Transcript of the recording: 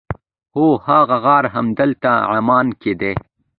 هو هغه غار همدلته عمان کې دی.